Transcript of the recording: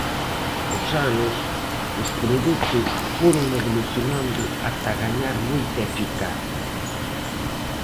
Cos anos, os produtos foron evolucionando ata gañar moita eficacia.